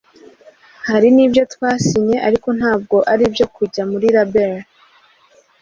hari n’ibyo twasinye ariko ntabwo ari ibyo kujya muri label